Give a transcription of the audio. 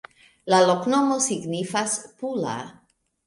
La loknomo signifas: pula.